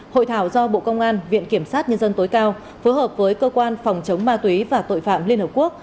hội thảo do bộ công an viện kiểm sát nhân dân tối cao phối hợp với cơ quan phòng chống ma túy và tội phạm liên hợp quốc